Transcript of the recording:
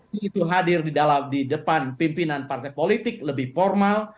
tujuh mei itu hadir di depan pimpinan partai politik lebih formal